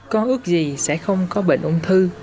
con ước gì sẽ không có bệnh ung thư